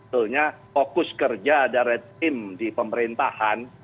sebetulnya fokus kerja dari tim di pemerintahan